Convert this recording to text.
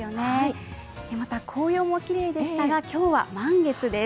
また、紅葉もきれいでしたが、今日は満月です